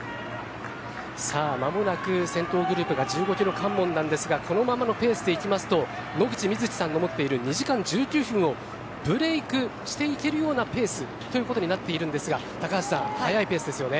間もなく先頭グループが１５キロ関門なんですがこのままのペースで行きますと野口みずきさんの持っている２時間１９分をブレークしていけるようなペースとなっているんですが高橋さん、速いペースですよね。